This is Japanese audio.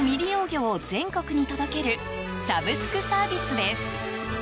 魚を全国に届けるサブスクサービスです。